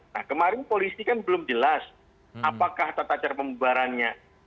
nah kemarin polisi kan belum jelas apakah tata cara pembubarannya